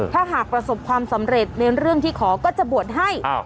ถ้าหากประสบความสำเร็จในเรื่องที่ขอก็จะบวชให้